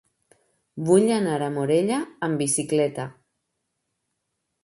Vull anar a Morella amb bicicleta.